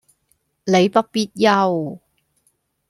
你不必憂